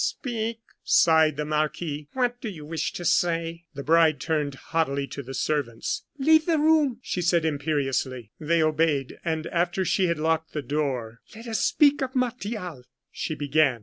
"Speak," sighed the marquis. "What do you wish to say?" The bride turned haughtily to the servants. "Leave the room!" she said, imperiously. They obeyed, and, after she had locked the door: "Let us speak of Martial," she began.